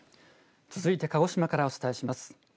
続いて鹿児島からお伝えします。